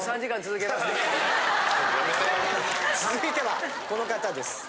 続いてはこの方です。